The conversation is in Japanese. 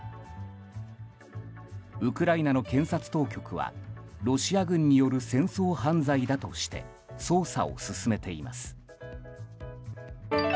ウクライナの検察当局はロシア軍による戦争犯罪だとして捜査を進めています。